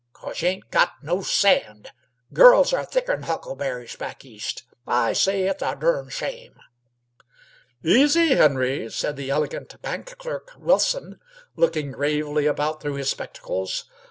'Cause y' ain't got no sand. Girls are thicker 'n huckleberries back East. I say it's a dum shame!" "Easy, Henry," said the elegant bank clerk, Wilson, looking gravely about through his spectacles.